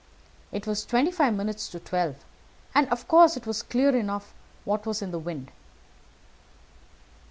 It was twenty five minutes to twelve, and of course it was clear enough what was in the wind.